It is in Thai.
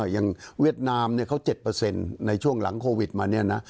อย่างเวียดนามเนี่ย๗ในช่วงหลังโควิดมาเนี่ยนะ